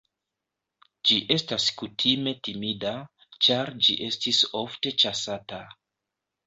Ĝi estas kutime timida, ĉar ĝi estis ofte ĉasata.